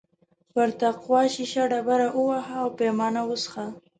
پر تقوا شیشه ډبره ووهه او پیمانه وڅښه.